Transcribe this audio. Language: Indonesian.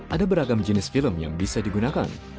ada beragam jenis film yang bisa digunakan